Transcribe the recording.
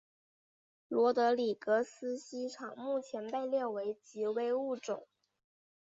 罗德里格斯茜草目前被列为极危物种。